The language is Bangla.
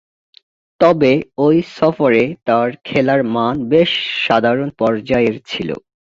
তবে, ঐ সফরে তার খেলার মান বেশ সাধারণ পর্যায়ের ছিল।